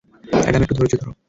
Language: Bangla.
অ্যাডাম, একটু ধৈর্য ধর!